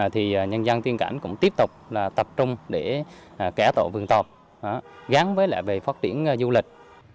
thì nhân dân tiên cảnh cũng tiếp tục tập trung để kẻ tộ vườn tộp gắn với lại về phát triển du lịch